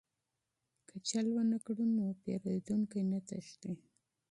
که دوکه ونه کړو نو پیرودونکي نه تښتي.